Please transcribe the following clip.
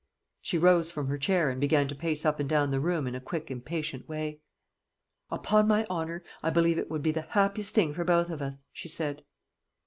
She rose from her chair, and began to pace up and down the room in a quick impatient way. "Upon my honour, I believe it would be the happiest thing for both of us," she said.